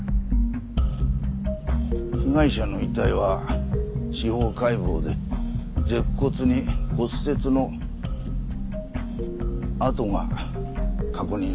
被害者の遺体は司法解剖で舌骨に骨折の痕が確認されていた。